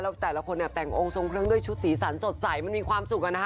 แล้วแต่ละคนเนี่ยแต่งองค์ทรงเครื่องด้วยชุดสีสันสดใสมันมีความสุขอะนะคะ